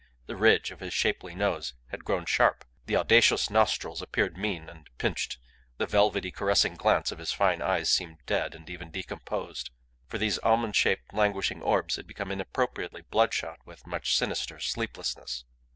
The ridge of his shapely nose had grown sharp; the audacious nostrils appeared mean and pinched. The velvety, caressing glance of his fine eyes seemed dead, and even decomposed; for these almond shaped, languishing orbs had become inappropriately bloodshot with much sinister sleeplessness.